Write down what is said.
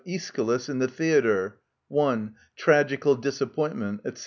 Eschylus in the theatre, i, "tragical disappointment," etc.